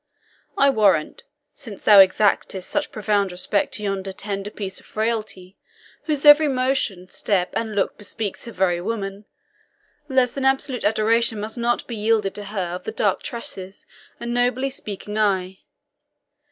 I warrant, since thou exactest such profound respect to yonder tender piece of frailty, whose every motion, step, and look bespeaks her very woman, less than absolute adoration must not be yielded to her of the dark tresses and nobly speaking eye.